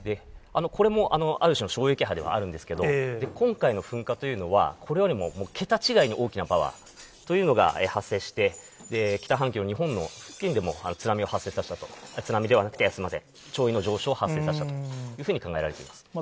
これもある種の衝撃波ではあるんですけれども、今回の噴火というのは、これよりも桁違いの大きなパワーというのが発生して、北半球の日本の付近でも津波を発生させたと、津波ではなくて、潮位の上昇を発生させたというふうに考えられています。